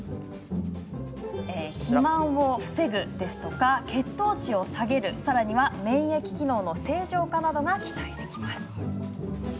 肥満を防ぐですとか血糖値を下げる、さらには免疫機能の正常化がなどが期待できます。